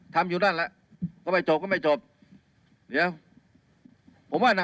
ทำอยู่นั่นแหละก็ไม่จบก็ไม่จบเดี๋ยวผมว่าน่ะ